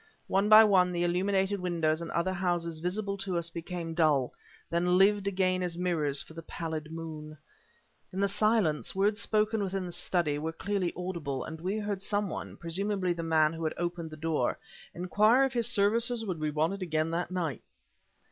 One by one the illuminated windows in other houses visible to us became dull; then lived again as mirrors for the pallid moon. In the silence, words spoken within the study were clearly audible; and we heard someone presumably the man who had opened the door inquire if his services would be wanted again that night.